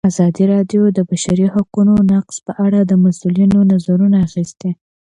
ازادي راډیو د د بشري حقونو نقض په اړه د مسؤلینو نظرونه اخیستي.